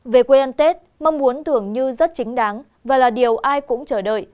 về quê ăn tết mong muốn thưởng như rất chính đáng và là điều ai cũng chờ đợi